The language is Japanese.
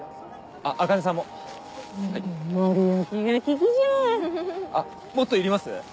あっもっといります？